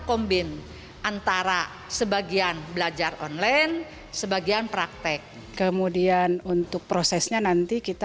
kombin antara sebagian belajar online sebagian praktek kemudian untuk prosesnya nanti kita